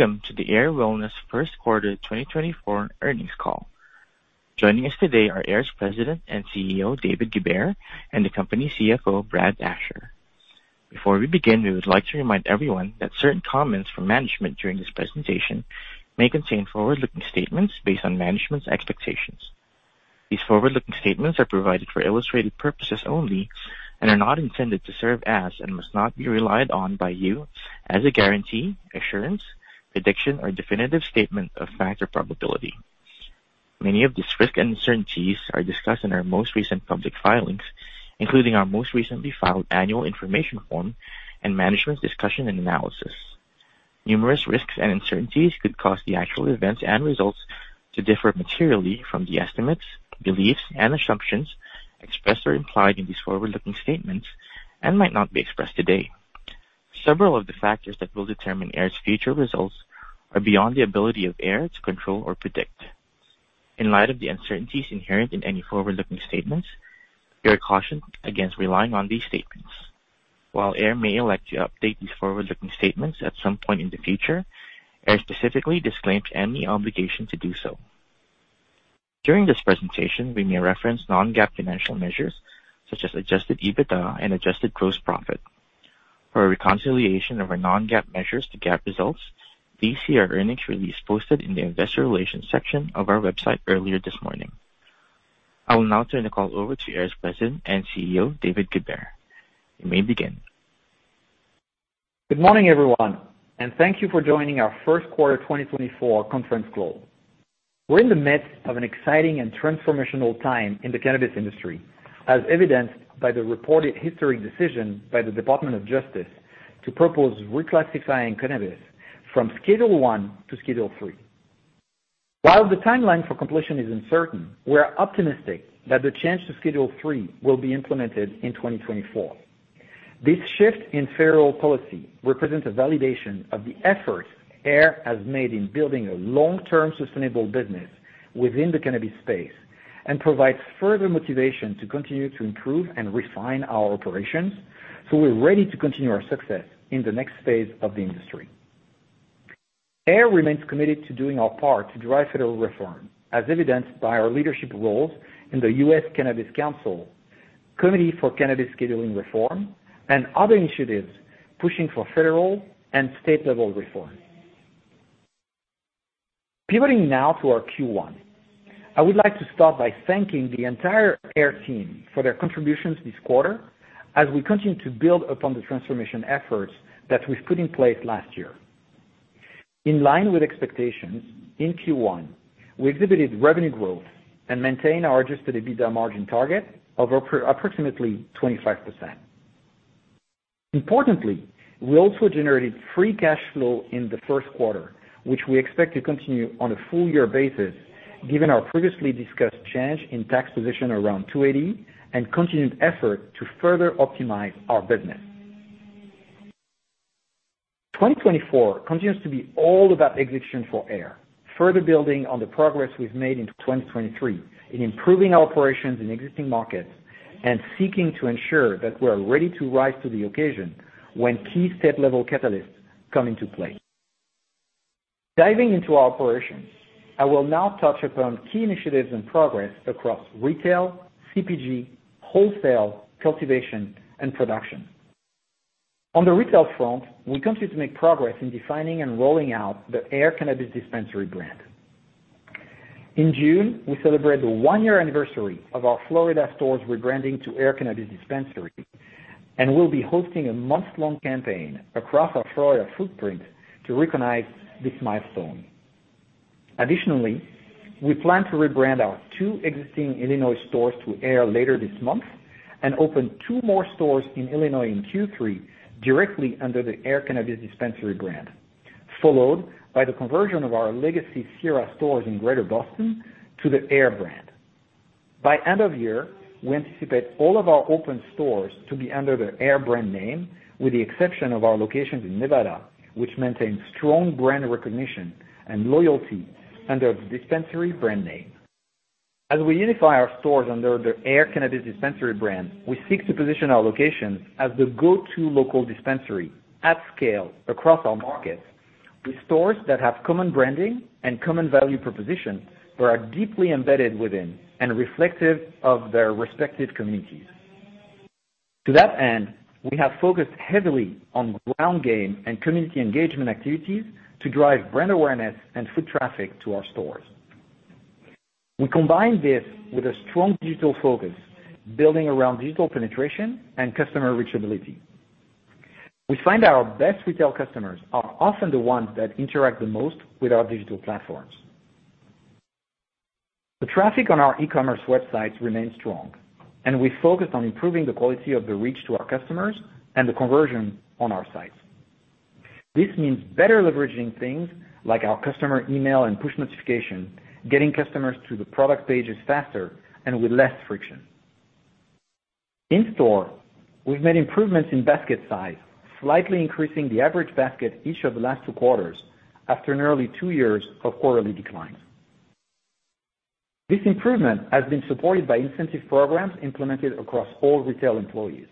Welcome to the AYR Wellness First Quarter 2024 Earnings Call. Joining us today are AYR's President and CEO, David Goubert, and the company's CFO, Brad Asher. Before we begin, we would like to remind everyone that certain comments from management during this presentation may contain forward-looking statements based on management's expectations. These forward-looking statements are provided for illustrative purposes only and are not intended to serve as, and must not be relied on by you, as a guarantee, assurance, prediction, or definitive statement of fact or probability. Many of these risks and uncertainties are discussed in our most recent public filings, including our most recently filed annual information form and management's discussion and analysis. Numerous risks and uncertainties could cause the actual events and results to differ materially from the estimates, beliefs, and assumptions expressed or implied in these forward-looking statements and might not be expressed today. Several of the factors that will determine AYR's future results are beyond the ability of AYR to control or predict. In light of the uncertainties inherent in any forward-looking statements, we are cautioned against relying on these statements. While AYR may elect to update these forward-looking statements at some point in the future, AYR specifically disclaims any obligation to do so. During this presentation, we may reference non-GAAP financial measures such as adjusted EBITDA and adjusted gross profit. For a reconciliation of our non-GAAP measures to GAAP results, please see our earnings release posted in the investor relations section of our website earlier this morning. I will now turn the call over to AYR's President and CEO, David Goubert. You may begin. Good morning, everyone, and thank you for joining our first quarter 2024 conference call. We're in the midst of an exciting and transformational time in the cannabis industry, as evidenced by the reported historic decision by the Department of Justice to propose reclassifying cannabis from Schedule I to Schedule III. While the timeline for completion is uncertain, we are optimistic that the change to Schedule III will be implemented in 2024. This shift in federal policy represents a validation of the effort AYR has made in building a long-term, sustainable business within the cannabis space and provides further motivation to continue to improve and refine our operations, so we're ready to continue our success in the next phase of the industry. AYR remains committed to doing our part to drive federal reform, as evidenced by our leadership roles in the U.S. Cannabis Council, Committee for Cannabis Scheduling Reform, and other initiatives pushing for federal and state-level reform. Pivoting now to our Q1, I would like to start by thanking the entire AYR team for their contributions this quarter as we continue to build upon the transformation efforts that we've put in place last year. In line with expectations, in Q1, we exhibited revenue growth and maintained our Adjusted EBITDA margin target of approximately 25%. Importantly, we also generated free cash flow in the first quarter, which we expect to continue on a full year basis, given our previously discussed change in tax position around 280E, and continued effort to further optimize our business. 2024 continues to be all about execution for AYR, further building on the progress we've made in 2023 in improving our operations in existing markets and seeking to ensure that we're ready to rise to the occasion when key state-level catalysts come into play. Diving into our operations, I will now touch upon key initiatives and progress across retail, CPG, wholesale, cultivation, and production. On the retail front, we continue to make progress in defining and rolling out the AYR Cannabis Dispensary brand. In June, we celebrate the 1-year anniversary of our Florida stores rebranding to AYR Cannabis Dispensary, and we'll be hosting a month-long campaign across our Florida footprint to recognize this milestone. Additionally, we plan to rebrand our two existing Illinois stores to AYR later this month and open two more stores in Illinois in Q3 directly under the AYR Cannabis Dispensary brand, followed by the conversion of our legacy Sira stores in Greater Boston to the AYR brand. By end of year, we anticipate all of our open stores to be under the AYR brand name, with the exception of our locations in Nevada, which maintain strong brand recognition and loyalty under The Dispensary Brand Name. As we unify our stores under the AYR Cannabis Dispensary brand, we seek to position our locations as the go-to local dispensary at scale across our markets, with stores that have common branding and common value propositions, but are deeply embedded within and reflective of their respective communities. To that end, we have focused heavily on ground game and community engagement activities to drive brand awareness and foot traffic to our stores. We combine this with a strong digital focus, building around digital penetration and customer reachability. We find that our best retail customers are often the ones that interact the most with our digital platforms. The traffic on our e-commerce websites remains strong, and we focused on improving the quality of the reach to our customers and the conversion on our sites. This means better leveraging things like our customer email and push notification, getting customers to the product pages faster and with less friction. In store, we've made improvements in basket size, slightly increasing the average basket each of the last two quarters after nearly two years of quarterly declines. This improvement has been supported by incentive programs implemented across all retail employees,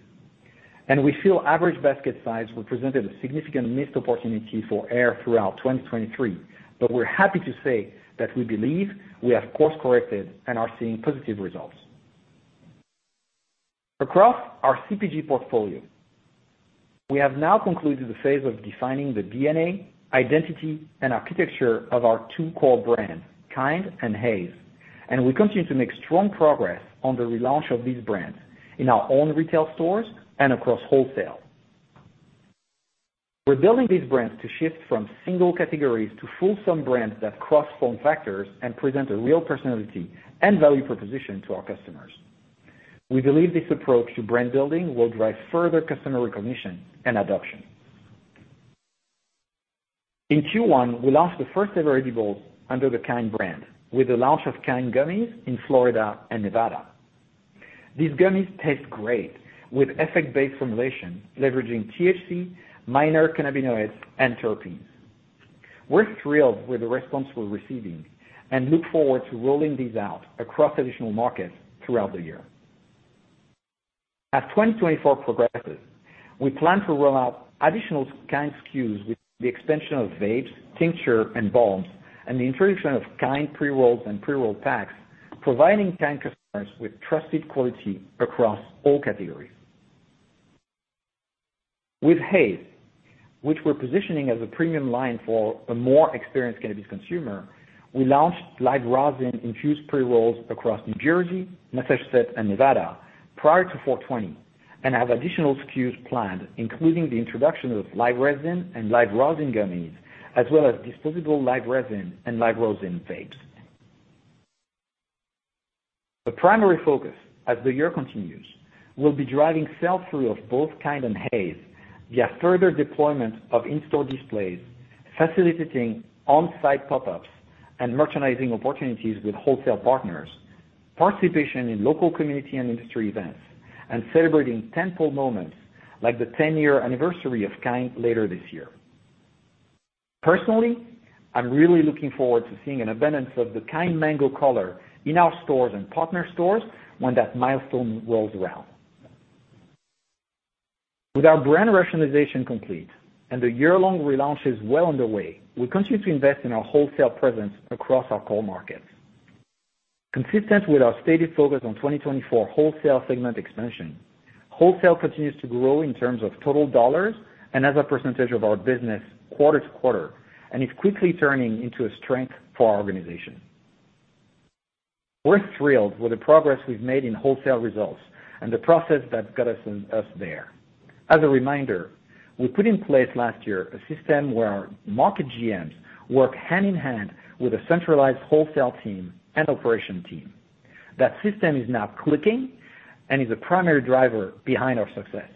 and we feel average basket size represented a significant missed opportunity for AYR throughout 2023, but we're happy to say that we believe we have course-corrected and are seeing positive results. Across our CPG portfolio, we have now concluded the phase of defining the DNA, identity, and architecture of our two core brands, Kynd and HAZE, and we continue to make strong progress on the relaunch of these brands in our own retail stores and across wholesale. We're building these brands to shift from single categories to fulsome brands that cross form factors and present a real personality and value proposition to our customers. We believe this approach to brand building will drive further customer recognition and adoption. In Q1, we launched the first ever edibles under the Kynd brand, with the launch of Kynd gummies in Florida and Nevada. These gummies taste great, with effect-based formulation, leveraging THC, minor cannabinoids, and terpenes. We're thrilled with the response we're receiving and look forward to rolling these out across additional markets throughout the year. As 2024 progresses, we plan to roll out additional Kynd SKUs with the expansion of vapes, tincture, and balms, and the introduction of Kynd pre-rolls and pre-roll packs, providing Kynd customers with trusted quality across all categories. With HAZE, which we're positioning as a premium line for the more experienced cannabis consumer, we launched live rosin-infused pre-rolls across New Jersey, Massachusetts, and Nevada prior to 420, and have additional SKUs planned, including the introduction of live resin and live rosin gummies, as well as disposable live resin and live rosin vapes. The primary focus as the year continues, will be driving sell-through of both Kynd and HAZE via further deployment of in-store displays, facilitating on-site pop-ups and merchandising opportunities with wholesale partners, participation in local community and industry events, and celebrating tentpole moments like the 10-year anniversary of Kynd later this year. Personally, I'm really looking forward to seeing an abundance of the Kynd mango color in our stores and partner stores when that milestone rolls around. With our brand rationalization complete and the year-long relaunch is well underway, we continue to invest in our wholesale presence across our core markets. Consistent with our stated focus on 2024 wholesale segment expansion, wholesale continues to grow in terms of total dollars and as a percentage of our business quarter to quarter, and is quickly turning into a strength for our organization. We're thrilled with the progress we've made in wholesale results and the process that got us there. As a reminder, we put in place last year a system where our market GMs work hand-in-hand with a centralized wholesale team and operation team. That system is now clicking and is a primary driver behind our success.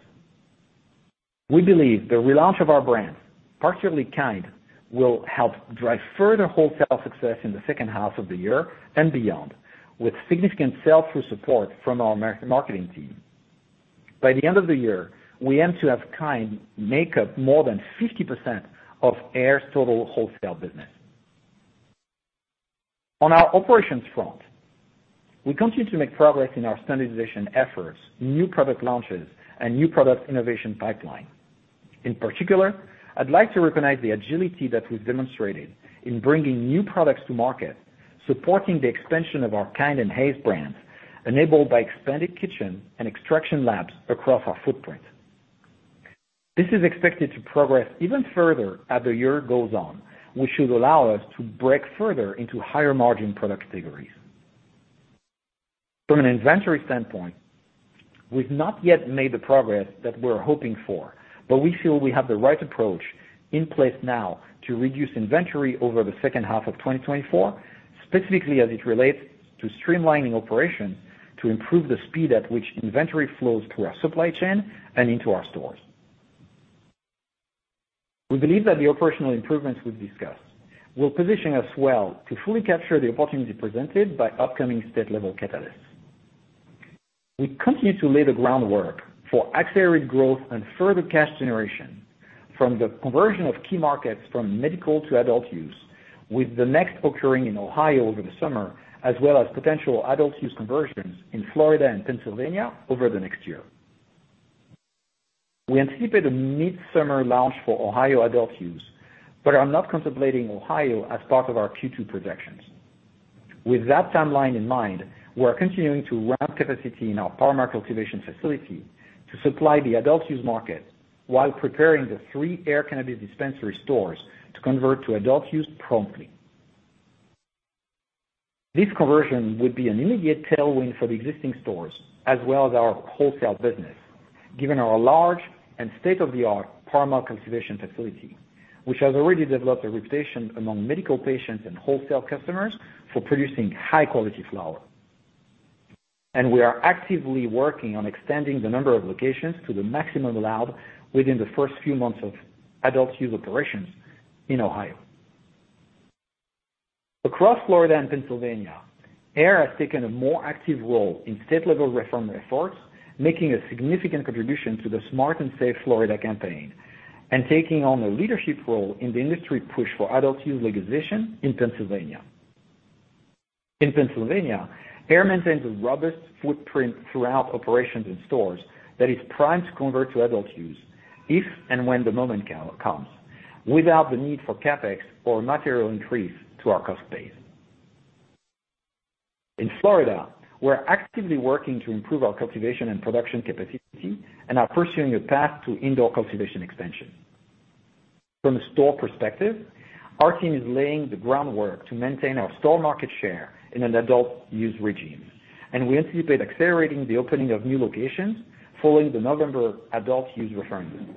We believe the relaunch of our brands, particularly Kynd, will help drive further wholesale success in the second half of the year and beyond, with significant sell-through support from our marketing team. By the end of the year, we aim to have Kynd make up more than 50% of AYR's total wholesale business. On our operations front, we continue to make progress in our standardization efforts, new product launches, and new product innovation pipeline. In particular, I'd like to recognize the agility that we've demonstrated in bringing new products to market, supporting the expansion of our Kynd and HAZE brands, enabled by expanded kitchen and extraction labs across our footprint. This is expected to progress even further as the year goes on, which should allow us to break further into higher-margin product categories. From an inventory standpoint, we've not yet made the progress that we're hoping for, but we feel we have the right approach in place now to reduce inventory over the second half of 2024, specifically as it relates to streamlining operations to improve the speed at which inventory flows through our supply chain and into our stores. We believe that the operational improvements we've discussed will position us well to fully capture the opportunity presented by upcoming state-level catalysts. We continue to lay the groundwork for accelerated growth and further cash generation from the conversion of key markets from medical to adult use, with the next occurring in Ohio over the summer, as well as potential adult use conversions in Florida and Pennsylvania over the next year. We anticipate a midsummer launch for Ohio adult use, but are not contemplating Ohio as part of our Q2 projections. With that timeline in mind, we are continuing to ramp capacity in our Parma cultivation facility to supply the adult-use market while preparing the three AYR Cannabis dispensary stores to convert to adult use promptly. This conversion would be an immediate tailwind for the existing stores, as well as our wholesale business, given our large and state-of-the-art Parma cultivation facility, which has already developed a reputation among medical patients and wholesale customers for producing high-quality flower. And we are actively working on extending the number of locations to the maximum allowed within the first few months of adult use operations in Ohio. Across Florida and Pennsylvania, AYR has taken a more active role in state-level reform efforts, making a significant contribution to the Smart and Safe Florida campaign... and taking on a leadership role in the industry push for adult use legalization in Pennsylvania. In Pennsylvania, AYR maintains a robust footprint throughout operations and stores that is primed to convert to adult use if and when the moment comes, without the need for CapEx or material increase to our cost base. In Florida, we're actively working to improve our cultivation and production capacity and are pursuing a path to indoor cultivation expansion. From a store perspective, our team is laying the groundwork to maintain our store market share in an adult use regime, and we anticipate accelerating the opening of new locations following the November adult use referendum.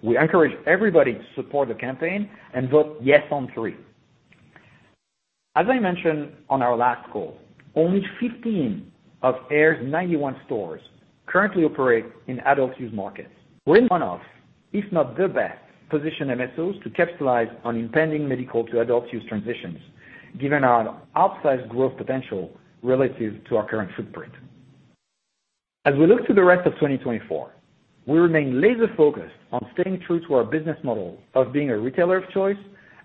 We encourage everybody to support the campaign and Vote Yes on 3. As I mentioned on our last call, only 15 of AYR's 91 stores currently operate in adult use markets. We're in one of, if not the best, positioned MSOs to capitalize on impending medical to adult use transitions, given our outsized growth potential relative to our current footprint. As we look to the rest of 2024, we remain laser focused on staying true to our business model of being a retailer of choice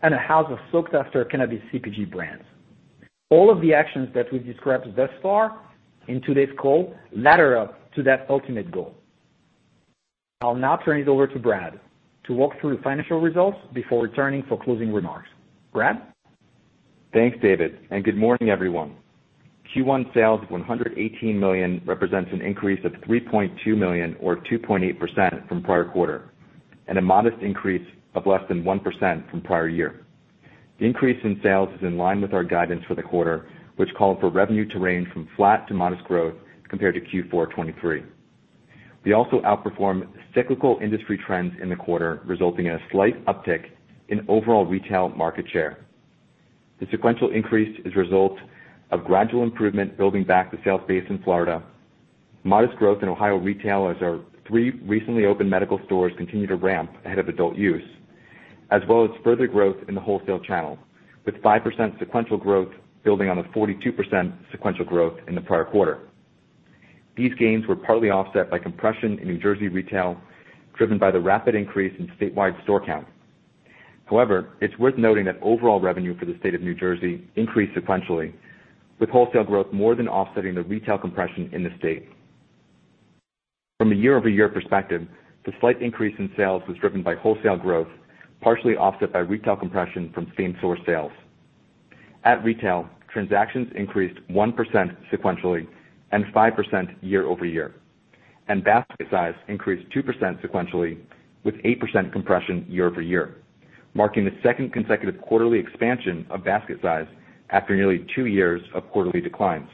and a house of sought-after cannabis CPG brands. All of the actions that we've described thus far in today's call, ladder up to that ultimate goal. I'll now turn it over to Brad to walk through the financial results before returning for closing remarks. Brad? Thanks, David, and good morning, everyone. Q1 sales of $118 million represents an increase of $3.2 million or 2.8% from prior quarter, and a modest increase of less than 1% from prior year. The increase in sales is in line with our guidance for the quarter, which called for revenue to range from flat to modest growth compared to Q4 2023. We also outperformed cyclical industry trends in the quarter, resulting in a slight uptick in overall retail market share. The sequential increase is a result of gradual improvement, building back the sales base in Florida, modest growth in Ohio retail as our three recently opened medical stores continue to ramp ahead of adult use, as well as further growth in the wholesale channel, with 5% sequential growth building on the 42% sequential growth in the prior quarter. These gains were partly offset by compression in New Jersey retail, driven by the rapid increase in statewide store count. However, it's worth noting that overall revenue for the state of New Jersey increased sequentially, with wholesale growth more than offsetting the retail compression in the state. From a year-over-year perspective, the slight increase in sales was driven by wholesale growth, partially offset by retail compression from same-store sales. At retail, transactions increased 1% sequentially and 5% year-over-year, and basket size increased 2% sequentially, with 8% compression year-over-year, marking the second consecutive quarterly expansion of basket size after nearly 2 years of quarterly declines.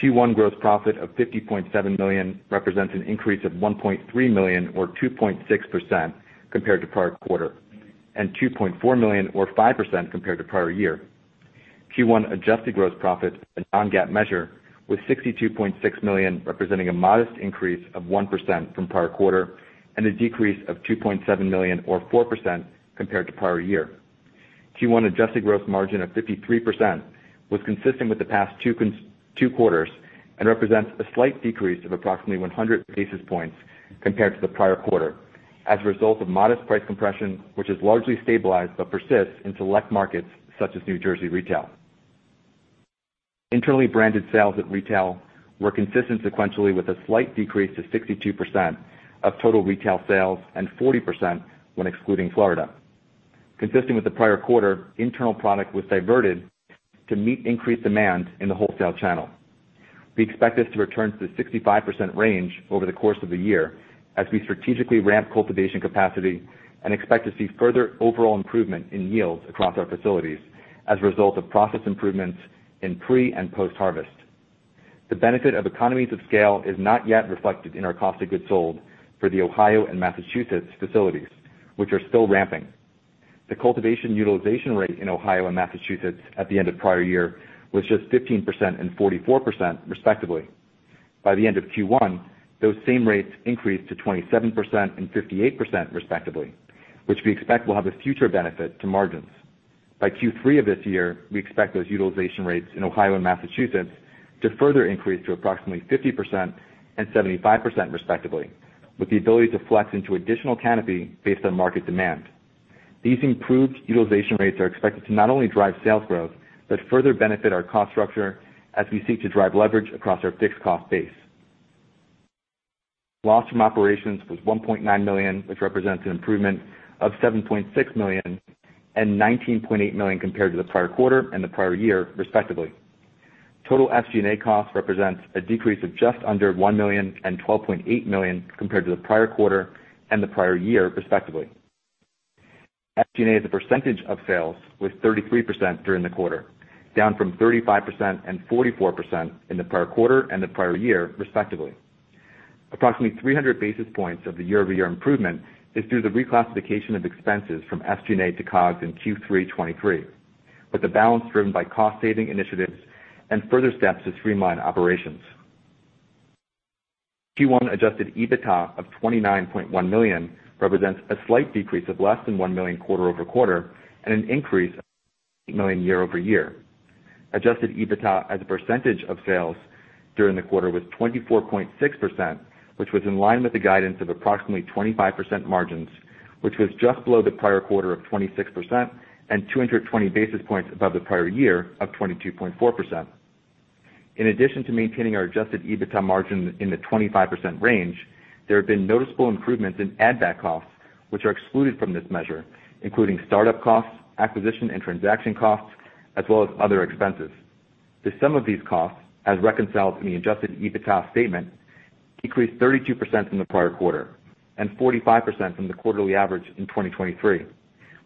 Q1 gross profit of $50.7 million represents an increase of $1.3 million, or 2.6% compared to prior quarter, and $2.4 million, or 5% compared to prior year. Q1 adjusted gross profit, a non-GAAP measure, was $62.6 million, representing a modest increase of 1% from prior quarter and a decrease of $2.7 million, or 4% compared to prior year. Q1 adjusted gross margin of 53% was consistent with the past two quarters and represents a slight decrease of approximately 100 basis points compared to the prior quarter as a result of modest price compression, which has largely stabilized but persists in select markets such as New Jersey retail. Internally, branded sales at retail were consistent sequentially, with a slight decrease to 62% of total retail sales and 40% when excluding Florida. Consistent with the prior quarter, internal product was diverted to meet increased demand in the wholesale channel. We expect this to return to the 65% range over the course of the year as we strategically ramp cultivation capacity and expect to see further overall improvement in yields across our facilities as a result of process improvements in pre- and post-harvest. The benefit of economies of scale is not yet reflected in our cost of goods sold for the Ohio and Massachusetts facilities, which are still ramping. The cultivation utilization rate in Ohio and Massachusetts at the end of prior year was just 15% and 44%, respectively. By the end of Q1, those same rates increased to 27% and 58%, respectively, which we expect will have a future benefit to margins. By Q3 of this year, we expect those utilization rates in Ohio and Massachusetts to further increase to approximately 50% and 75%, respectively, with the ability to flex into additional canopy based on market demand. These improved utilization rates are expected to not only drive sales growth, but further benefit our cost structure as we seek to drive leverage across our fixed cost base. Loss from operations was $1.9 million, which represents an improvement of $7.6 million and $19.8 million compared to the prior quarter and the prior year, respectively. Total SG&A costs represents a decrease of just under $1 million and $12.8 million compared to the prior quarter and the prior year, respectively. SG&A, as a percentage of sales, was 33% during the quarter, down from 35% and 44% in the prior quarter and the prior year, respectively. Approximately 300 basis points of the year-over-year improvement is through the reclassification of expenses from SG&A to COGS in Q3 2023, with the balance driven by cost-saving initiatives and further steps to streamline operations. Q1 adjusted EBITDA of $29.1 million represents a slight decrease of less than $1 million quarter-over-quarter and an increase of $8 million year-over-year.... adjusted EBITDA as a percentage of sales during the quarter was 24.6%, which was in line with the guidance of approximately 25% margins, which was just below the prior quarter of 26% and 220 basis points above the prior year of 22.4%. In addition to maintaining our adjusted EBITDA margin in the 25% range, there have been noticeable improvements in add-back costs, which are excluded from this measure, including startup costs, acquisition and transaction costs, as well as other expenses. The sum of these costs, as reconciled in the adjusted EBITDA statement, decreased 32% from the prior quarter and 45% from the quarterly average in 2023,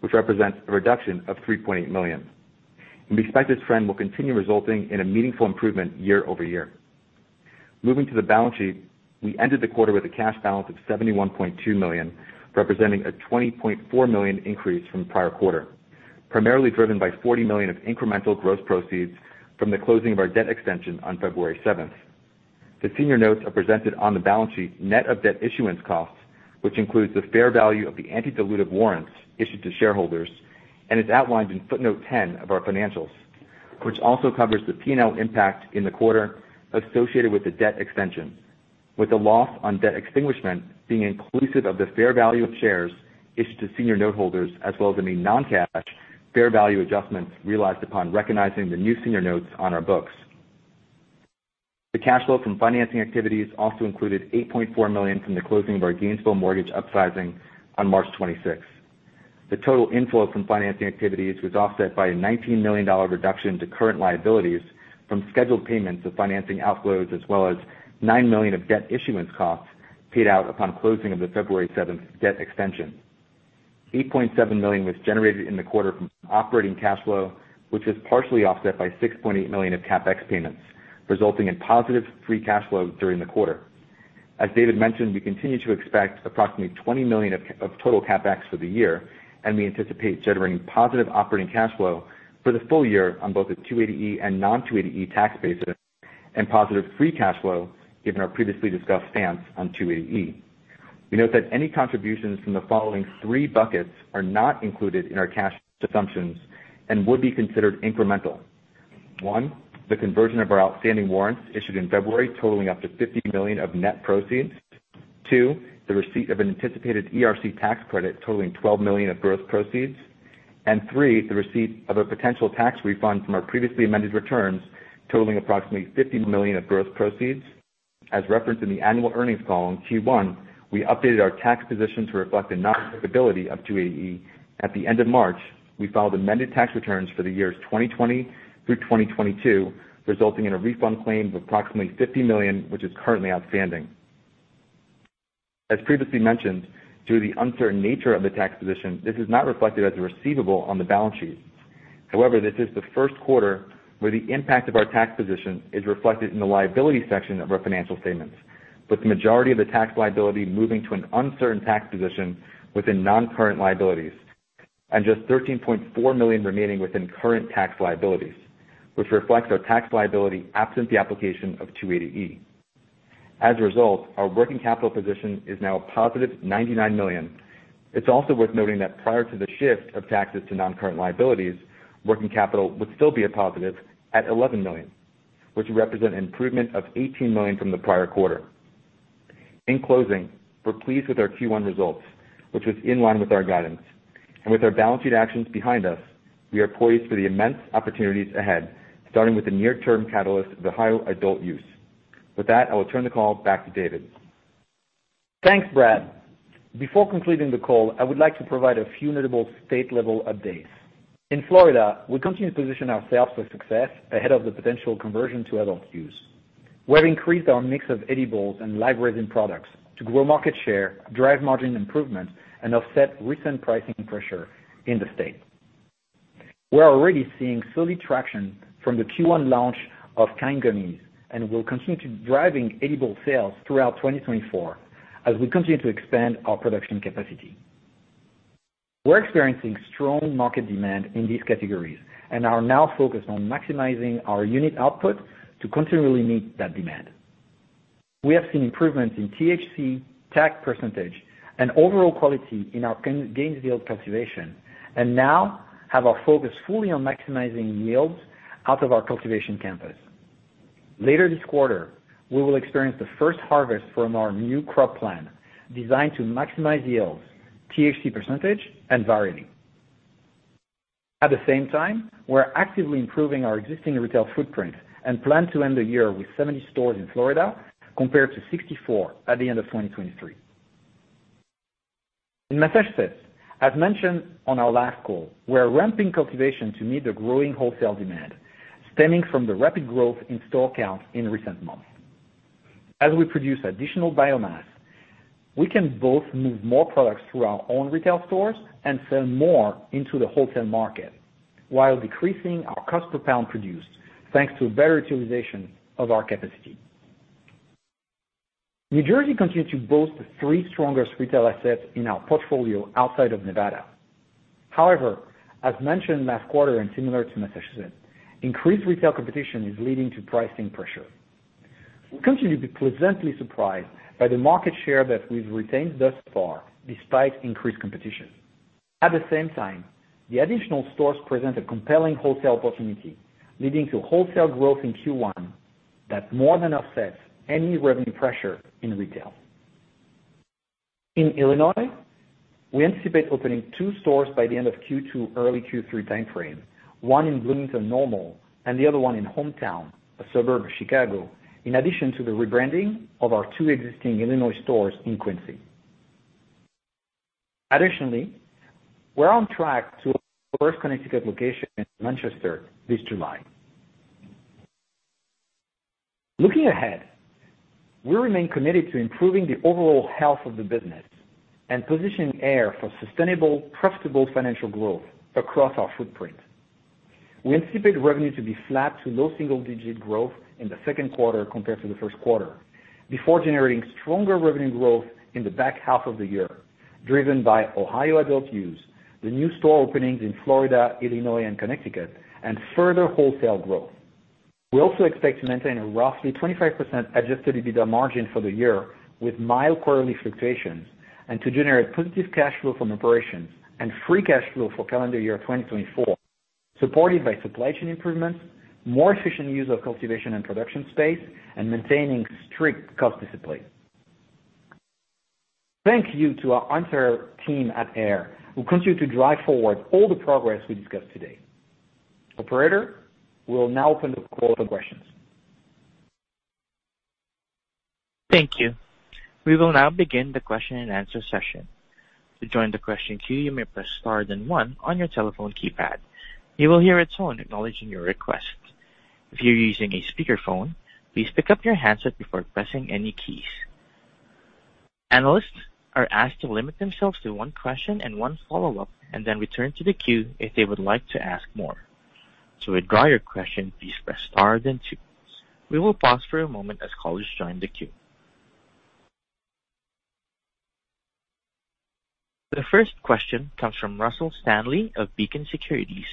which represents a reduction of $3.8 million. We expect this trend will continue, resulting in a meaningful improvement year-over-year. Moving to the balance sheet, we ended the quarter with a cash balance of $71.2 million, representing a $20.4 million increase from the prior quarter, primarily driven by $40 million of incremental gross proceeds from the closing of our debt extension on February 7th. The senior notes are presented on the balance sheet, net of debt issuance costs, which includes the fair value of the anti-dilutive warrants issued to shareholders and is outlined in footnote 10 of our financials, which also covers the P&L impact in the quarter associated with the debt extension, with the loss on debt extinguishment being inclusive of the fair value of shares issued to senior noteholders, as well as any non-cash fair value adjustments realized upon recognizing the new senior notes on our books. The cash flow from financing activities also included $8.4 million from the closing of our Gainesville mortgage upsizing on March 26. The total inflow from financing activities was offset by a $19 million reduction to current liabilities from scheduled payments of financing outflows, as well as $9 million of debt issuance costs paid out upon closing of the February 7 debt extension. $8.7 million was generated in the quarter from operating cash flow, which was partially offset by $6.8 million of CapEx payments, resulting in positive free cash flow during the quarter. As David mentioned, we continue to expect approximately $20 million of total CapEx for the year, and we anticipate generating positive operating cash flow for the full year on both the 280E and non-280E tax basis, and positive free cash flow given our previously discussed stance on 280E. We note that any contributions from the following three buckets are not included in our cash assumptions and would be considered incremental. One, the conversion of our outstanding warrants issued in February, totaling up to $50 million of net proceeds. Two, the receipt of an anticipated ERC tax credit totaling $12 million of gross proceeds. Three, the receipt of a potential tax refund from our previously amended returns, totaling approximately $50 million of gross proceeds. As referenced in the annual earnings call on Q1, we updated our tax position to reflect the non-applicability of 280E. At the end of March, we filed amended tax returns for the years 2020 through 2022, resulting in a refund claim of approximately $50 million, which is currently outstanding. As previously mentioned, due to the uncertain nature of the tax position, this is not reflected as a receivable on the balance sheet. However, this is the first quarter where the impact of our tax position is reflected in the liability section of our financial statements, with the majority of the tax liability moving to an uncertain tax position within non-current liabilities, and just $13.4 million remaining within current tax liabilities, which reflects our tax liability absent the application of 280E. As a result, our working capital position is now a positive $99 million. It's also worth noting that prior to the shift of taxes to non-current liabilities, working capital would still be a positive at $11 million, which would represent an improvement of $18 million from the prior quarter. In closing, we're pleased with our Q1 results, which was in line with our guidance. With our balance sheet actions behind us, we are poised for the immense opportunities ahead, starting with the near-term catalyst of the Ohio adult use. With that, I will turn the call back to David. Thanks, Brad. Before concluding the call, I would like to provide a few notable state-level updates. In Florida, we continue to position ourselves for success ahead of the potential conversion to adult use. We have increased our mix of edibles and live resin products to grow market share, drive margin improvement, and offset recent pricing pressure in the state. We are already seeing solid traction from the Q1 launch of Kynd Gummies, and we'll continue to driving edible sales throughout 2024 as we continue to expand our production capacity. We're experiencing strong market demand in these categories and are now focused on maximizing our unit output to continually meet that demand. We have seen improvements in THC, tax percentage, and overall quality in our Gainesville cultivation, and now have our focus fully on maximizing yields out of our cultivation campus. Later this, we will experience the first harvest from our new crop plan, designed to maximize yields, THC percentage, and variation. At the same time, we're actively improving our existing retail footprint and plan to end the year with 70 stores in Florida, compared to 64 at the end of 2023. In Massachusetts, as mentioned on our last call, we are ramping cultivation to meet the growing wholesale demand, stemming from the rapid growth in store counts in recent months. As we produce additional biomass, we can both move more products through our own retail stores and sell more into the wholesale market, while decreasing our cost per pound produced, thanks to better utilization of our capacity. New Jersey continues to boast the three strongest retail assets in our portfolio outside of Nevada. However, as mentioned last quarter and similar to Massachusetts, increased retail competition is leading to pricing pressure. We continue to be pleasantly surprised by the market share that we've retained thus far, despite increased competition. At the same time, the additional stores present a compelling wholesale opportunity, leading to wholesale growth in Q1 that more than offsets any revenue pressure in retail. In Illinois, we anticipate opening two stores by the end of Q2, early Q3 time frame, one in Bloomington-Normal and the other one in Hometown, a suburb of Chicago, in addition to the rebranding of our two existing Illinois stores in Quincy. Additionally, we're on track to our first Connecticut location in Manchester this July. Looking ahead, we remain committed to improving the overall health of the business and positioning AYR for sustainable, profitable financial growth across our footprint. We anticipate revenue to be flat to low single-digit growth in the second quarter compared to the first quarter, before generating stronger revenue growth in the back half of the year, driven by Ohio adult use, the new store openings in Florida, Illinois and Connecticut, and further wholesale growth. We also expect to maintain a roughly 25% Adjusted EBITDA margin for the year, with mild quarterly fluctuations, and to generate positive cash flow from operations and free cash flow for calendar year 2024, supported by supply chain improvements, more efficient use of cultivation and production space, and maintaining strict cost discipline. Thank you to our entire team at AYR, who continue to drive forward all the progress we discussed today. Operator, we'll now open the call for questions. Thank you. We will now begin the question-and-answer session. To join the question queue, you may press star then one on your telephone keypad. You will hear a tone acknowledging your request. If you're using a speakerphone, please pick up your handset before pressing any keys. Analysts are asked to limit themselves to one question and one follow-up, and then return to the queue if they would like to ask more. To withdraw your question, please press star then two. We will pause for a moment as callers join the queue. The first question comes from Russell Stanley of Beacon Securities.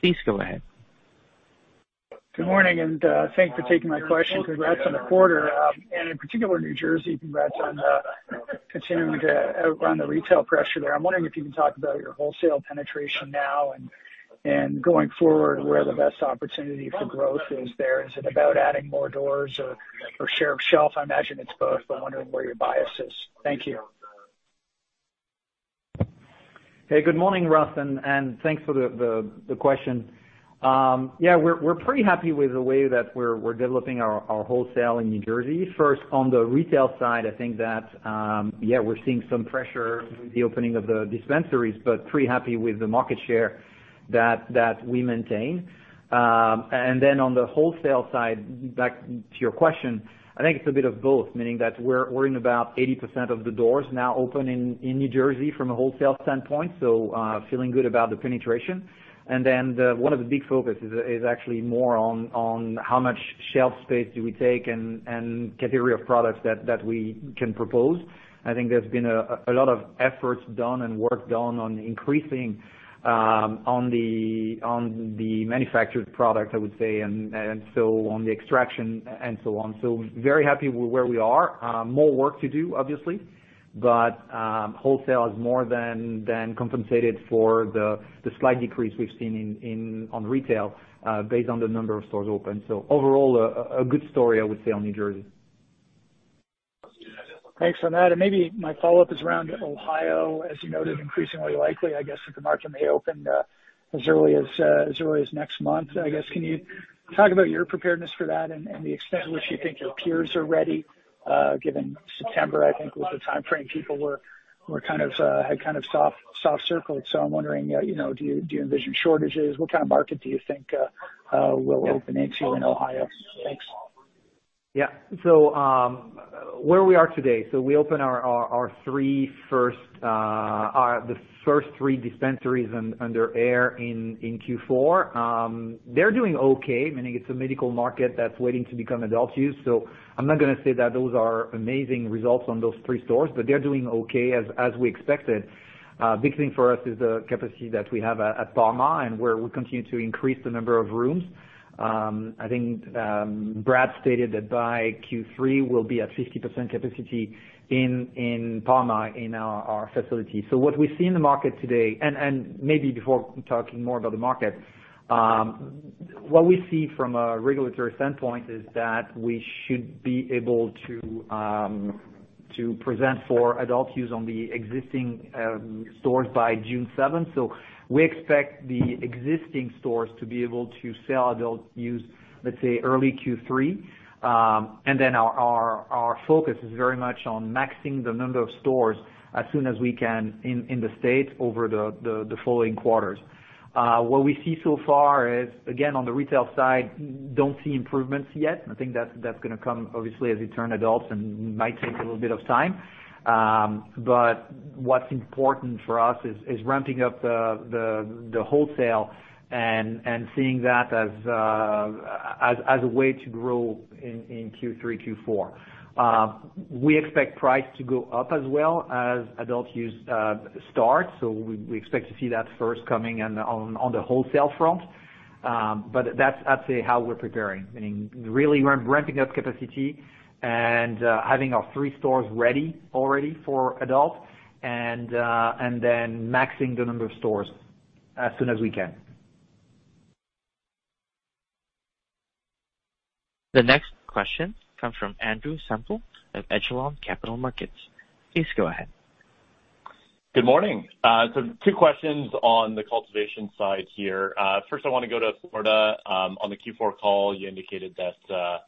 Please go ahead. Good morning, and thanks for taking my question. Congrats on the quarter, and in particular, New Jersey. Congrats on continuing to outrun the retail pressure there. I'm wondering if you can talk about your wholesale penetration now, and going forward, where the best opportunity for growth is there. Is it about adding more doors or share of shelf? I imagine it's both, but wondering where your bias is. Thank you. Hey, good morning, Russ, and thanks for the question. Yeah, we're pretty happy with the way that we're developing our wholesale in New Jersey. First, on the retail side, I think that, yeah, we're seeing some pressure with the opening of the dispensaries, but pretty happy with the market share that we maintain. And then on the wholesale side, back to your question, I think it's a bit of both, meaning that we're in about 80% of the doors now open in New Jersey from a wholesale standpoint, so, feeling good about the penetration. And then one of the big focuses is actually more on how much shelf space do we take and category of products that we can propose. I think there's been a lot of efforts done and work done on increasing on the manufactured product, I would say, and so on the extraction and so on. So very happy with where we are. More work to do, obviously, but wholesale has more than compensated for the slight decrease we've seen in on retail based on the number of stores open. So overall, a good story, I would say, on New Jersey. Thanks for that. Maybe my follow-up is around Ohio. As you noted, increasingly likely, I guess, that the market may open as early as next month. I guess, can you talk about your preparedness for that and the extent to which you think your peers are ready, given September, I think, was the time frame people were kind of had kind of soft circled. So I'm wondering, you know, do you envision shortages? What kind of market do you think will open into in Ohio? Thanks. Yeah. So, where we are today, so we opened the first three dispensaries under AYR in Q4. They're doing okay, meaning it's a medical market that's waiting to become adult use. So I'm not going to say that those are amazing results on those three stores, but they're doing okay, as we expected. Big thing for us is the capacity that we have at Parma and where we continue to increase the number of rooms. I think Brad stated that by Q3, we'll be at 50% capacity in Parma, in our facility. So what we see in the market today... Maybe before talking more about the market, what we see from a regulatory standpoint is that we should be able to to present for adult use on the existing stores by June seventh. So we expect the existing stores to be able to sell adult use, let's say, early Q3. And then our focus is very much on maxing the number of stores as soon as we can in the state over the following quarters. What we see so far is, again, on the retail side, don't see improvements yet. I think that's going to come obviously as we turn adults and might take a little bit of time. But what's important for us is ramping up the wholesale and seeing that as a way to grow in Q3, Q4. We expect price to go up as well as adult use starts, so we expect to see that first coming on the wholesale front. But that's I'd say how we're preparing, meaning really ramping up capacity and having our three stores ready already for adult, and then maxing the number of stores as soon as we can. The next question comes from Andrew Semple of Echelon Capital Markets. Please go ahead. Good morning. So two questions on the cultivation side here. First, I want to go to Florida. On the Q4 call, you indicated that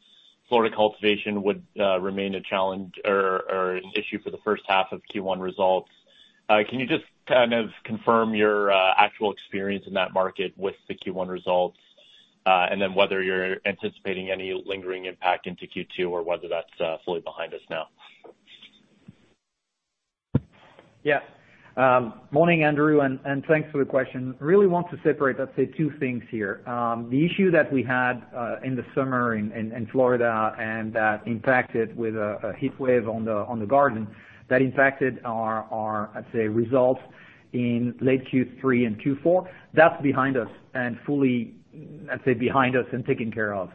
Florida cultivation would remain a challenge or an issue for the first half of Q1 results. Can you just kind of confirm your actual experience in that market with the Q1 results? And then whether you're anticipating any lingering impact into Q2 or whether that's fully behind us now. Yeah. Morning, Andrew, and thanks for the question. Really want to separate, let's say, two things here. The issue that we had in the summer in Florida and that impacted with a heat wave on the garden, that impacted our, our, I'd say, results in late Q3 and Q4, that's behind us and fully, I'd say, behind us and taken care of.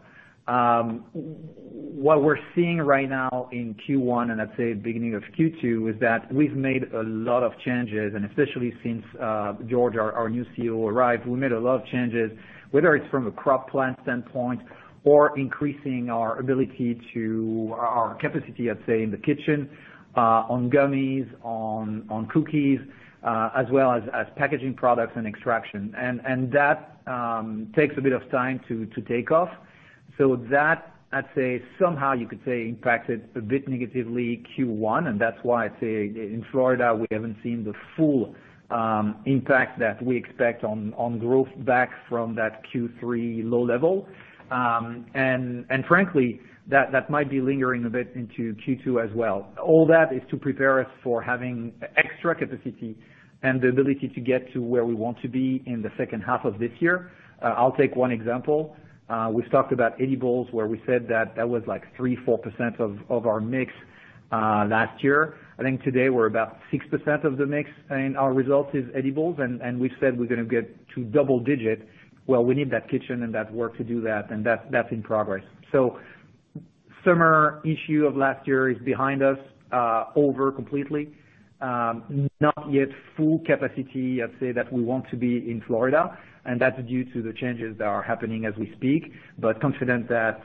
What we're seeing right now in Q1, and I'd say beginning of Q2, is that we've made a lot of changes, and especially since George, our new COO, arrived, we made a lot of changes, whether it's from a crop plant standpoint or increasing our ability to our capacity, I'd say, in the kitchen on gummies, on cookies, as well as packaging products and extraction. That takes a bit of time to take off. So that, I'd say, somehow you could say, impacted a bit negatively Q1, and that's why I'd say in Florida, we haven't seen the full impact that we expect on growth back from that Q3 low level. Frankly, that might be lingering a bit into Q2 as well. All that is to prepare us for having extra capacity and the ability to get to where we want to be in the second half of this year. I'll take one example. We've talked about edibles, where we said that that was like 3-4% of our mix last year. I think today we're about 6% of the mix in our results is edibles, and we've said we're going to get to double digit. Well, we need that kitchen and that work to do that, and that's in progress. So summer issue of last year is behind us, over completely. Not yet full capacity, I'd say, that we want to be in Florida, and that's due to the changes that are happening as we speak, but confident that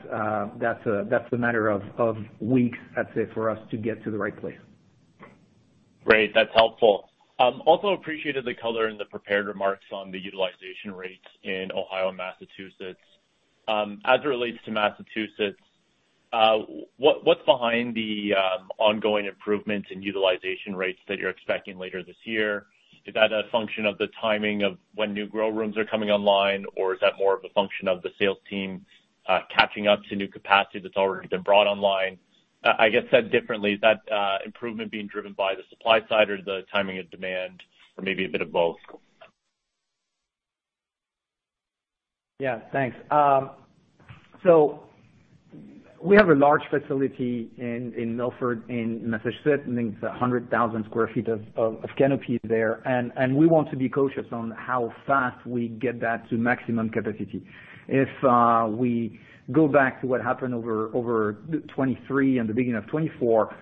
that's a matter of weeks, I'd say, for us to get to the right place. Great. That's helpful. Also appreciated the color in the prepared remarks on the utilization rates in Ohio and Massachusetts. As it relates to Massachusetts, what, what's behind the ongoing improvements in utilization rates that you're expecting later this year? Is that a function of the timing of when new grow rooms are coming online, or is that more of a function of the sales team catching up to new capacity that's already been brought online? I guess said differently, is that improvement being driven by the supply side or the timing of demand, or maybe a bit of both? Yeah, thanks. So we have a large facility in Milford, Massachusetts. I think it's 100,000 sq ft of canopy there, and we want to be cautious on how fast we get that to maximum capacity. If we go back to what happened over 2023 and the beginning of 2024,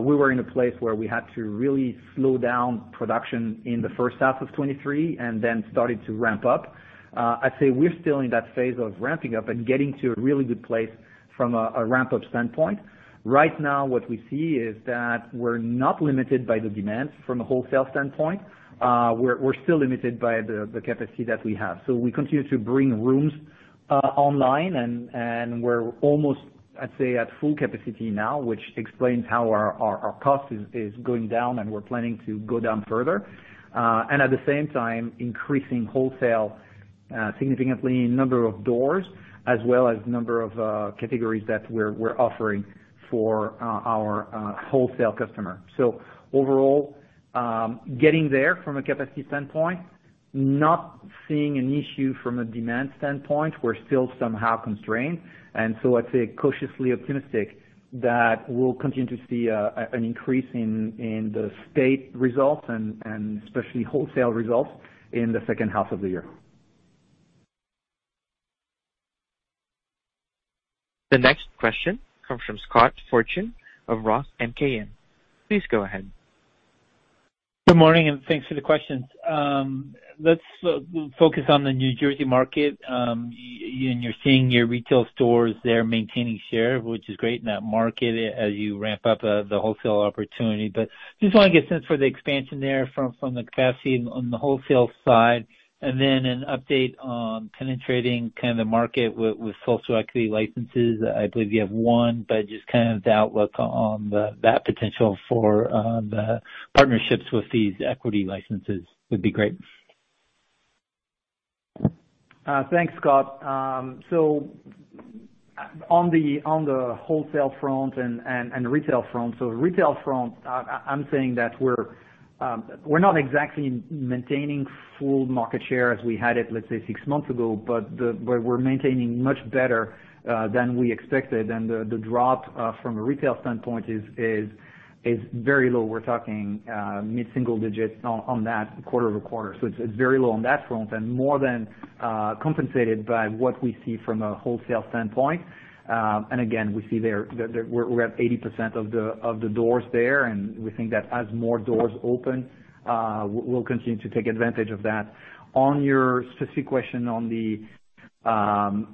we were in a place where we had to really slow down production in the first half of 2023 and then started to ramp up. I'd say we're still in that phase of ramping up and getting to a really good place from a ramp-up standpoint. Right now, what we see is that we're not limited by the demand from a wholesale standpoint. We're still limited by the capacity that we have. So we continue to bring rooms online, and we're almost, I'd say, at full capacity now, which explains how our cost is going down, and we're planning to go down further. And at the same time, increasing wholesale significantly in number of doors, as well as number of categories that we're offering for our wholesale customer. So overall, getting there from a capacity standpoint, not seeing an issue from a demand standpoint. We're still somehow constrained, and so I'd say cautiously optimistic that we'll continue to see an increase in the state results and especially wholesale results in the second half of the year. The next question comes from Scott Fortune of ROTH MKM. Please go ahead. Good morning, and thanks for the questions. Let's focus on the New Jersey market. You're seeing your retail stores there maintaining share, which is great in that market, as you ramp up the wholesale opportunity. Just want to get a sense for the expansion there from the capacity on the wholesale side, and then an update on penetrating kind of the market with social equity licenses. I believe you have one, but just kind of the outlook on that potential for the partnerships with these equity licenses would be great. Thanks, Scott. So on the wholesale front and retail front, so retail front, I'm saying that we're not exactly maintaining full market share as we had it, let's say, six months ago, but we're maintaining much better than we expected, and the drop from a retail standpoint is very low. We're talking mid-single digits on that quarter-over-quarter. So it's very low on that front and more than compensated by what we see from a wholesale standpoint. And again, we see there that we're at 80% of the doors there, and we think that as more doors open, we'll continue to take advantage of that. On your specific question on the on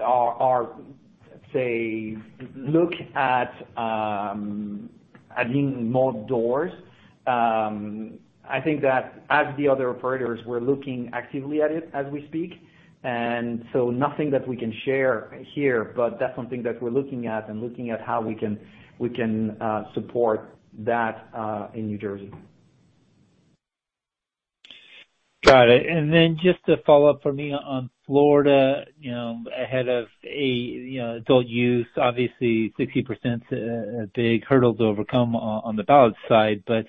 our our-... Let's say, look at adding more doors. I think that as the other operators, we're looking actively at it as we speak, and so nothing that we can share here, but that's something that we're looking at and looking at how we can support that in New Jersey. Got it. And then just to follow up for me on Florida, you know, ahead of a, you know, adult use, obviously 60%'s a big hurdle to overcome on the ballot side. But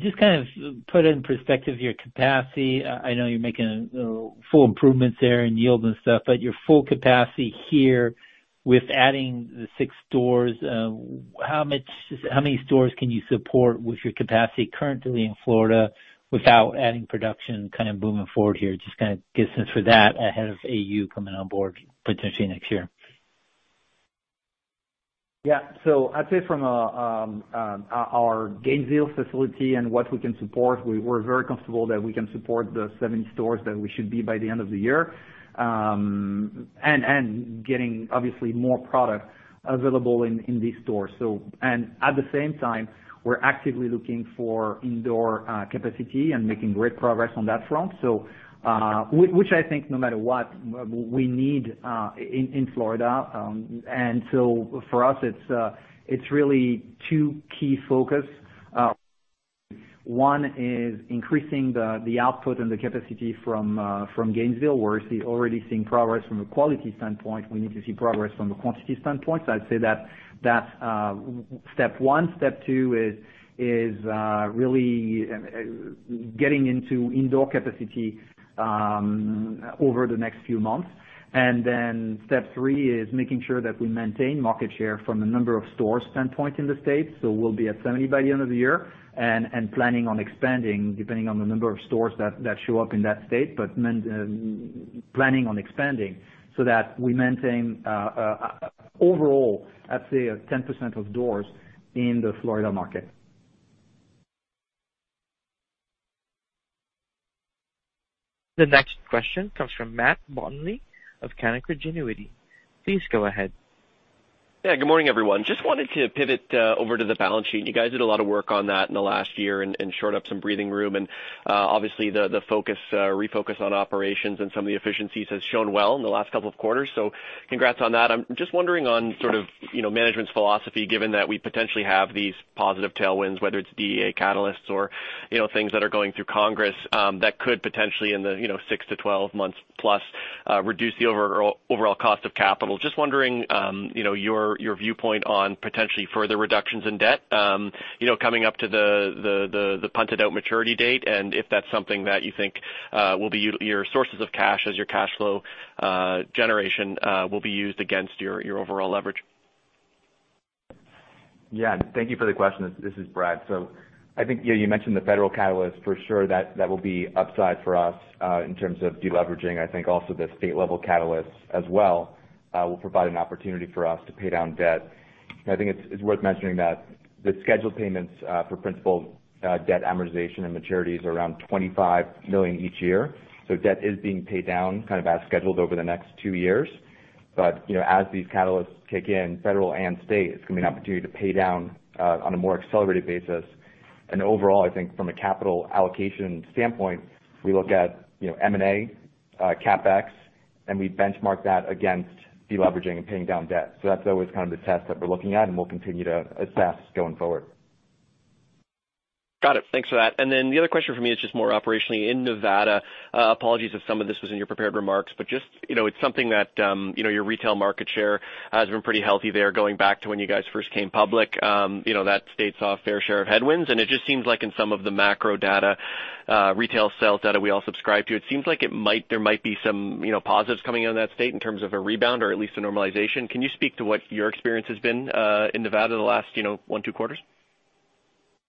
just kind of put it in perspective, your capacity. I know you're making full improvements there in yield and stuff, but your full capacity here with adding the 6 stores, how many stores can you support with your capacity currently in Florida without adding production, kind of moving forward here? Just kind of get a sense for that ahead of AU coming on board potentially next year. Yeah. So I'd say from a, our Gainesville facility and what we can support, we're very comfortable that we can support the seven stores that we should be by the end of the year, and getting obviously more product available in these stores. So... And at the same time, we're actively looking for indoor capacity and making great progress on that front. So, which I think no matter what, we need in Florida. And so for us, it's really two key focus. One is increasing the output and the capacity from Gainesville, where we're already seeing progress from a quality standpoint. We need to see progress from a quantity standpoint. So I'd say that's step one. Step two is really getting into indoor capacity over the next few months. And then step three is making sure that we maintain market share from a number of stores standpoint in the state. So we'll be at 70 by the end of the year and planning on expanding, depending on the number of stores that show up in that state, but planning on expanding so that we maintain overall, I'd say 10% of doors in the Florida market. The next question comes from Matt Bottomley of Canaccord Genuity. Please go ahead. Yeah, good morning, everyone. Just wanted to pivot over to the balance sheet. You guys did a lot of work on that in the last year and shored up some breathing room. And obviously, the focus refocus on operations and some of the efficiencies has shown well in the last couple of quarters. So congrats on that. I'm just wondering on sort of, you know, management's philosophy, given that we potentially have these positive tailwinds, whether it's DEA catalysts or, you know, things that are going through Congress, that could potentially in the, you know, 6-12 months plus, reduce the overall, overall cost of capital. Just wondering, you know, your viewpoint on potentially further reductions in debt, you know, coming up to the punted out maturity date, and if that's something that you think will be your sources of cash as your cash flow generation will be used against your overall leverage. Yeah. Thank you for the question. This is Brad. So I think, yeah, you mentioned the federal catalyst. For sure, that will be upside for us in terms of deleveraging. I think also the state level catalysts as well will provide an opportunity for us to pay down debt. I think it's worth mentioning that the scheduled payments for principal debt amortization and maturities are around $25 million each year, so debt is being paid down Kynd of as scheduled over the next 2 years. But you know, as these catalysts kick in, federal and state, it's going to be an opportunity to pay down on a more accelerated basis. And overall, I think from a capital allocation standpoint, we look at you know, M&A, CapEx, and we benchmark that against deleveraging and paying down debt. That's always kind of the test that we're looking at, and we'll continue to assess going forward. Got it. Thanks for that. And then the other question for me is just more operationally in Nevada. Apologies if some of this was in your prepared remarks, but just, you know, it's something that, you know, your retail market share has been pretty healthy there, going back to when you guys first came public. You know, that state saw a fair share of headwinds, and it just seems like in some of the macro data, retail sales data we all subscribe to, it seems like there might be some, you know, positives coming out of that state in terms of a rebound or at least a normalization. Can you speak to what your experience has been, in Nevada the last, you know, one, two quarters?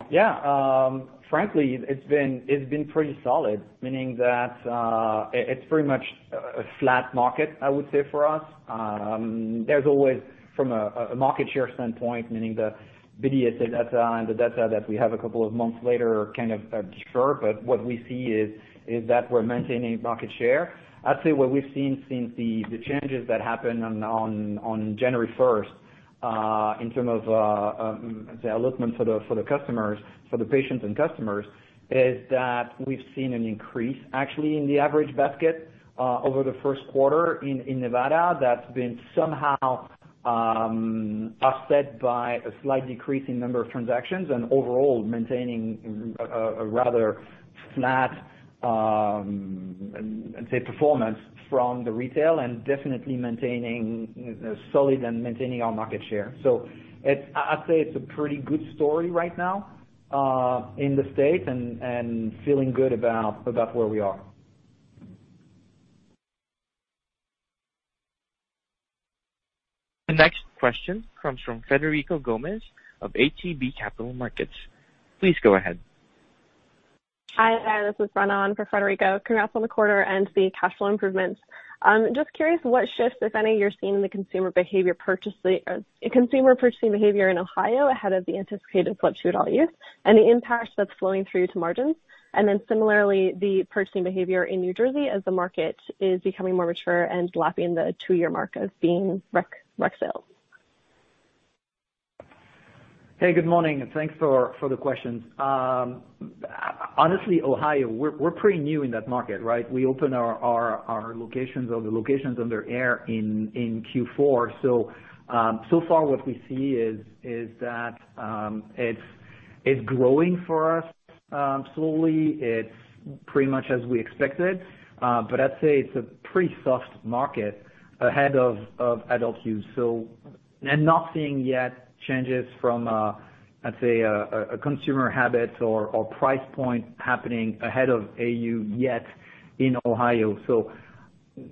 Yeah. Frankly, it's been, it's been pretty solid, meaning that, it, it's pretty much a flat market, I would say for us. There's always, from a market share standpoint, meaning the video, the data and the data that we have a couple of months later are kind of sure, but what we see is, is that we're maintaining market share. I'd say what we've seen since the changes that happened on January first, in terms of the allotment for the customers, for the patients and customers, is that we've seen an increase actually in the average basket over the first quarter in Nevada. That's been somehow offset by a slight decrease in number of transactions, and overall maintaining a rather flat performance from the retail and definitely maintaining solid and maintaining our market share. I'd say it's a pretty good story right now in the state and feeling good about where we are. The next question comes from Federico Gomez of ATB Capital Markets. Please go ahead. Hi, this is Brenna for Federico. Congrats on the quarter and the cash flow improvements. Just curious what shifts, if any, you're seeing in the consumer behavior purchasing or consumer purchasing behavior in Ohio ahead of the anticipated switch to adult use and the impact that's flowing through to margins. And then similarly, the purchasing behavior in New Jersey as the market is becoming more mature and lapping the 2-year mark of being rec sales. ... Hey, good morning, and thanks for the questions. Honestly, Ohio, we're pretty new in that market, right? We opened our locations or the locations under AYR in Q4. So, so far what we see is that it's growing for us slowly. It's pretty much as we expected, but I'd say it's a pretty soft market ahead of adult use. So and not seeing yet changes from I'd say, a consumer habits or price point happening ahead of AU yet in Ohio. So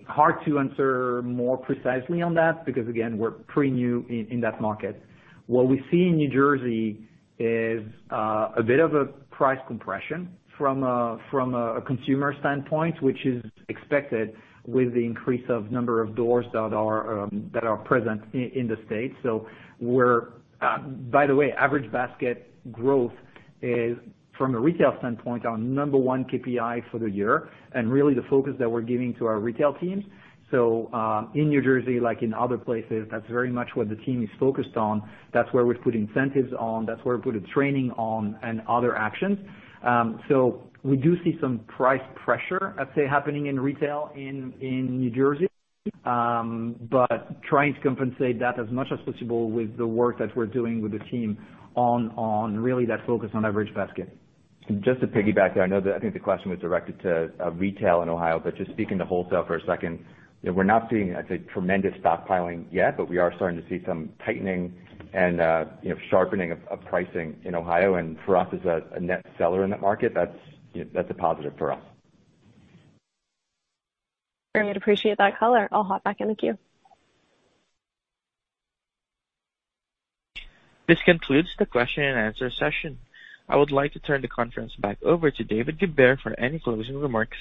hard to answer more precisely on that, because, again, we're pretty new in that market. What we see in New Jersey is, a bit of a price compression from a, from a consumer standpoint, which is expected with the increase of number of doors that are, that are present in the state. So we're... By the way, average basket growth is, from a retail standpoint, our number one KPI for the year, and really the focus that we're giving to our retail team. So, in New Jersey, like in other places, that's very much what the team is focused on. That's where we put incentives on, that's where we put the training on and other actions. So we do see some price pressure, I'd say, happening in retail in, in New Jersey, but trying to compensate that as much as possible with the work that we're doing with the team on, on really that focus on average basket. Just to piggyback that, I know that, I think the question was directed to retail in Ohio, but just speaking to wholesale for a second, you know, we're not seeing, I'd say, tremendous stockpiling yet, but we are starting to see some tightening and, you know, sharpening of pricing in Ohio. And for us, as a net seller in that market, that's, you know, that's a positive for us. Very much appreciate that color. I'll hop back in the queue. This concludes the question-and-answer session. I would like to turn the conference back over to David Goubert for any closing remarks.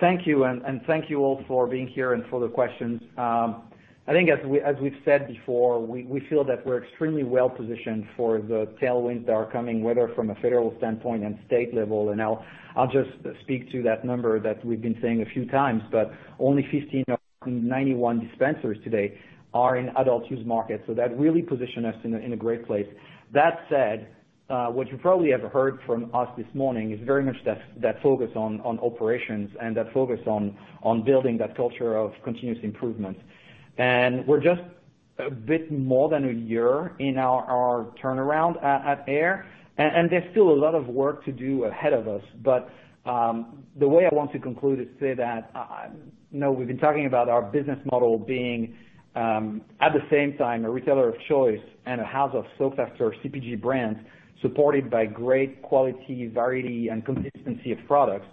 Thank you, and, and thank you all for being here and for the questions. I think as we, as we've said before, we, we feel that we're extremely well positioned for the tailwinds that are coming, whether from a federal standpoint and state level. I'll just speak to that number that we've been saying a few times, but only 15 of 91 dispensaries today are in adult use markets, so that really position us in a, in a great place. That said, what you probably have heard from us this morning is very much that, that focus on, on operations and that focus on, on building that culture of continuous improvement. We're just a bit more than a year in our, our turnaround at AYR, and, and there's still a lot of work to do ahead of us. But, the way I want to conclude is say that, I... You know, we've been talking about our business model being, at the same time, a retailer of choice and a house of sought-after or CPG brands, supported by great quality, variety and consistency of products.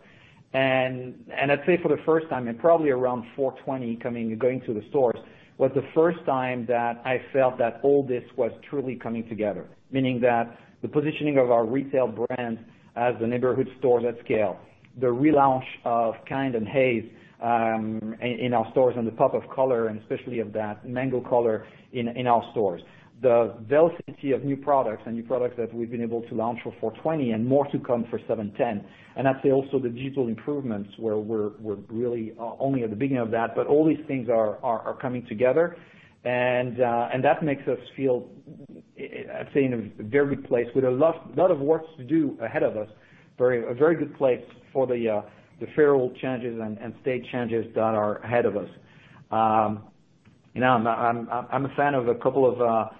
And, I'd say for the first time, and probably around 420 coming, going to the stores, was the first time that I felt that all this was truly coming together. Meaning that the positioning of our retail brand as the neighborhood stores at scale, the relaunch of Kynd and HAZE in our stores, and the pop of color, and especially of that mango color in, in our stores. The velocity of new products and new products that we've been able to launch for 420, and more to come for 710. I'd say also the digital improvements, where we're really only at the beginning of that. But all these things are coming together, and that makes us feel, I'd say, in a very good place, with a lot of work to do ahead of us. A very good place for the federal changes and state changes that are ahead of us. You know, I'm a fan of a couple of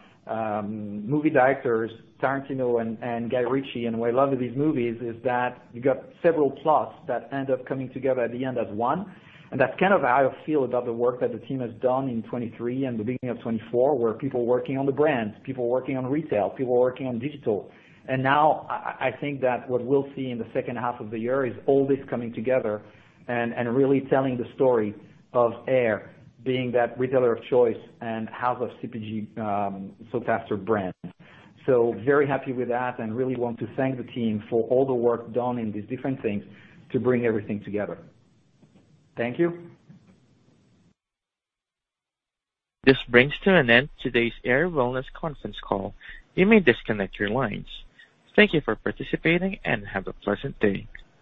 movie directors, Tarantino and Guy Ritchie, and what I love with these movies is that you got several plots that end up coming together at the end as one, and that's kind of how I feel about the work that the team has done in 2023 and the beginning of 2024, where people working on the brand, people working on retail, people working on digital. And now I think that what we'll see in the second half of the year is all this coming together and really telling the story of AYR being that retailer of choice and house of CPG, sought- after brands. So very happy with that, and really want to thank the team for all the work done in these different things to bring everything together. Thank you. This brings to an end today's AYR Wellness conference call. You may disconnect your lines. Thank you for participating, and have a pleasant day.